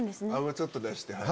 ちょっと出して。